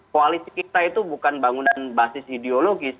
koalisi kita itu bukan bangunan basis ideologis